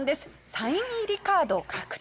サイン入りカード確定。